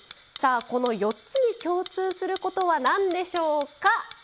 この４つに共通することはなんでしょうか？